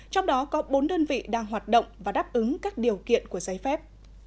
trong đó có bốn đơn vị đang hoạt động và đáp ứng các điều kiện của giấy phép